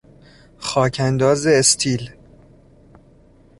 خاک انداز استیل